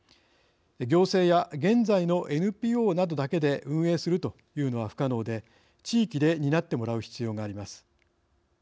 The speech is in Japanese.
行政や現在のＮＰＯなどだけで運営するというのは不可能で地域で担ってもらう必要があります。